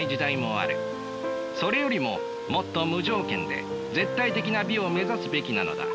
それよりももっと無条件で絶対的な美を目指すべきなのだ。